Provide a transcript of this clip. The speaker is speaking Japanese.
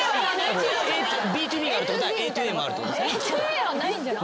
ＢｔｏＢがあるってことはＡｔｏＡもあるってことっすね。